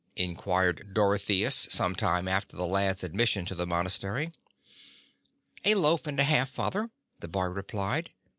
inquired Dorotheus some time after the lad's admission to the mon astery. "A loaf and a half. Father," the boy replied.